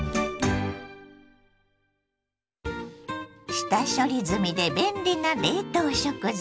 下処理済みで便利な冷凍食材